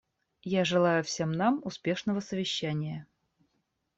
Я желаю всем нам успешного совещания.